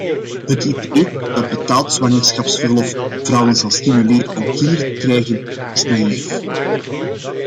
Het idee dat betaald zwangerschapsverlof vrouwen zal stimuleren om kinderen te krijgen is naïef.